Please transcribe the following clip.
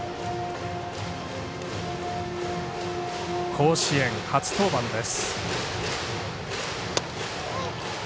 甲子園、初登板です。